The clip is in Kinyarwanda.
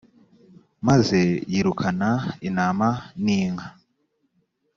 maze yirukana intama n’inka